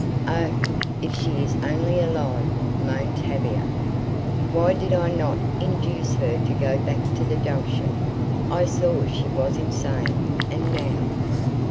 "Oh, if she is only alive!" moaned Tavia. "Why did I not induce her to go back to the Junction? I saw she was insane and now!"